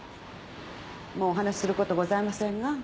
もうお話することございませんが。